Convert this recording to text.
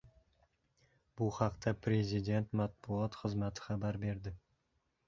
Bu haqda Prezident matbuot xizmati xabar berdi.